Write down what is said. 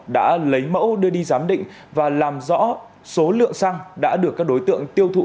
đã lấy mẫu đưa đi giám định và làm rõ số lượng xăng đã được các đối tượng tiêu thụ